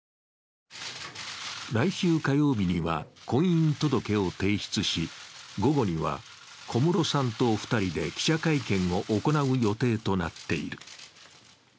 来週火曜日には、婚姻届を提出し午後には小室さんと２人で記者会見を行う予定となっている。